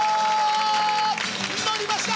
載りました！